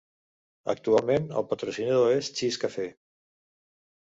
Actualment, el patrocinador és ChessCafe.